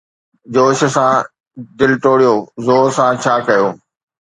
جوش سان دل ٽوڙيو، زور سان! ڇا ڪيو